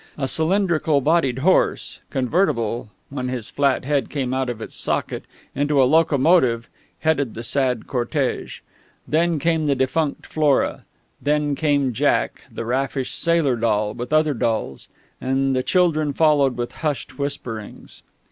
A cylindrical bodied horse, convertible (when his flat head came out of its socket) into a locomotive, headed the sad cortège; then came the defunct Flora; then came Jack, the raffish sailor doll, with other dolls; and the children followed with hushed whisperings.